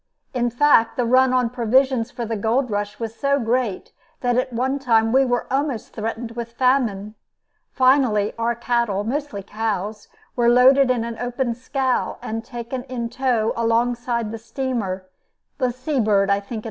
In fact, the run on provisions for the gold rush was so great that at one time we were almost threatened with famine. Finally our cattle, mostly cows, were loaded in an open scow and taken in tow alongside the steamer, the Sea Bird, I think it was.